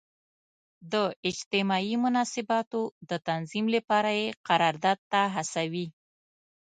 د اجتماعي مناسباتو د تنظیم لپاره یې قرارداد ته هڅوي.